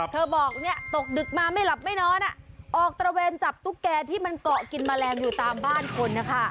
เธอบอกเนี่ยตกดึกมาไม่หลับไม่นอนออกตระเวนจับตุ๊กแกที่มันเกาะกินแมลงอยู่ตามบ้านคนนะคะ